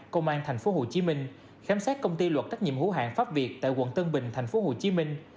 công an thành phố hồ chí minh khám sát công ty luật tác nhiệm hữu hạng pháp việt tại quận tân bình thành phố hồ chí minh